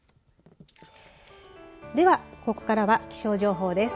では、ここからは気象情報です。